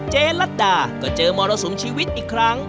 ลัดดาก็เจอมรสุมชีวิตอีกครั้ง